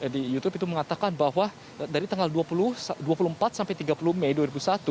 di youtube itu mengatakan bahwa dari tanggal dua puluh empat sampai tiga puluh mei dua ribu satu